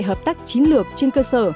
hợp tác chính lược trên cơ sở